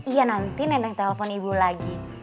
iya nanti neneng telpon ibu lagi